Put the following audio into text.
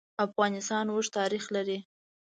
افغانستان اوږد تاریخ لري.